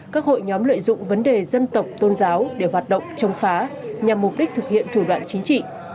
các hội nhóm lợi dụng vấn đề dân tộc tôn giáo để hoạt động chống phá nhằm mục đích thực hiện thủ đoạn chính trị